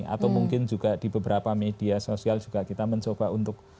atau mungkin juga di beberapa media sosial juga kita mencoba untuk